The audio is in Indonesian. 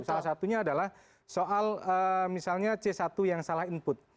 salah satunya adalah soal misalnya c satu yang salah input